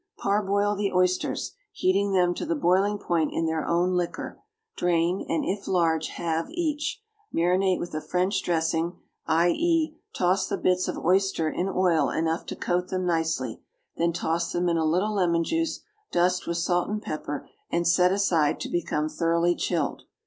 = Parboil the oysters (heating them to the boiling point in their own liquor), drain, and, if large, halve each; marinate with a French dressing (i.e., toss the bits of oyster in oil enough to coat them nicely; then toss them in a little lemon juice, dust with salt and pepper, and set aside to become thoroughly chilled).